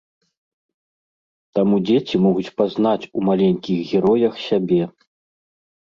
Таму дзеці могуць пазнаць у маленькіх героях сябе.